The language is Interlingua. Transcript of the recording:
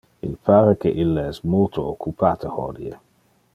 Il pare que ille es multo occupate hodie.